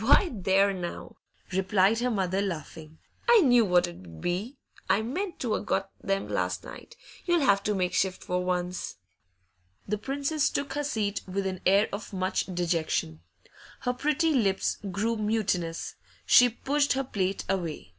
'Why, there now,' replied her mother, laughing; 'I knew what it 'ud be! I meant to a' got them last night. You'll have to make shift for once.' The Princess took her seat with an air of much dejection. Her pretty lips grew mutinous; she pushed her plate away.